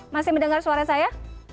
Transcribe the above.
masih mendengar suara saya